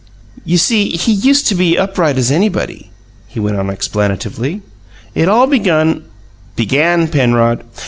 "You see, he used to be upright as anybody," he went on explanatively. "It all begun " "Began, Penrod."